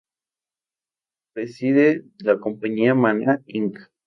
Preside la compañía Maná Inc.